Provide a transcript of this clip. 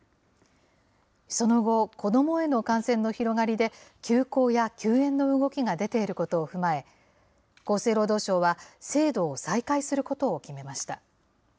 その後、子どもへの感染の広がりで、休校や休園の動きが出ていることを踏まえ、厚生労働省は、制度を再開することを決めました。